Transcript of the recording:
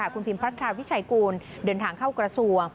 คุณพิมพัทราวิชัยกูลเดินทางเข้ากระทรวง